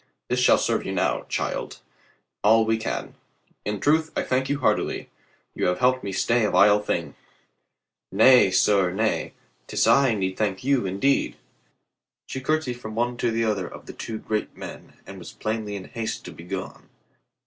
This shall serve you now, child. 306 COLONEL GREATHEART all we can. In truth, I thank you heartily. You have helped me stay a vile thing." "Nay, sir, nay, 'tis I thank you, indeed." She curtsied from one to other of the two great men and was plainly in haste to be gone.